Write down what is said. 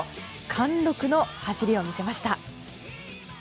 貫禄の走りを見せました。